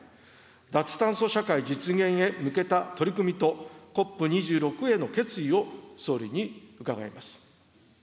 脱炭素社会実現へ向けた取り組みと、ＣＯＰ２６への決意を総理に伺います。